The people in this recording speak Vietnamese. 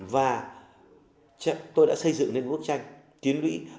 và tôi đã xây dựng lên bức tranh chiến lũy